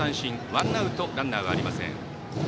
ワンアウトランナーはありません。